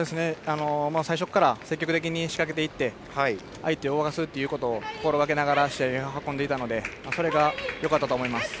最初から積極的に仕掛けていって相手を崩すことを心がけながら試合を運んでいたのでそれがよかったと思います。